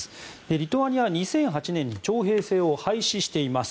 リトアニアは２００８年に徴兵制を廃止しています。